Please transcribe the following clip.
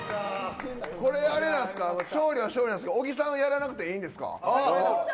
勝利は勝利なんですけど小木さんやらなくていいんですか？